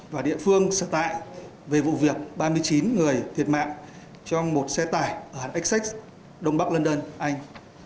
và địa phương sở tại về vụ việc ba mươi chín người thiệt mạng trong một xe tải ở essex đông bắc london anh